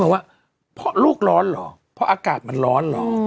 ว่าเพราะลูกร้อนเหรอเพราะอากาศมันร้อนเหรอ